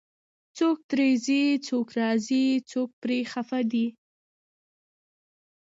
څوک ترې ځي، څوک راځي، څوک پرې خفه دی